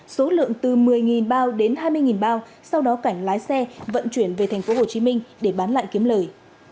số lượng từ một mươi bao đến hai mươi bao sau đó cảnh lái xe vận chuyển về tp hcm để bán lại kiếm lời